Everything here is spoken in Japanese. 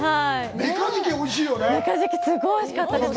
メカジキ、すごいおいしかったです。